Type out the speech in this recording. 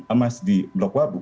emas di blok wabu